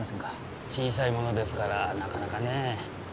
小さいものですからなかなかね。